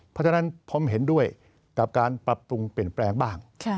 เพราะฉะนั้นผมเห็นด้วยกับการปรับปรุงเปลี่ยนแปลงบ้าง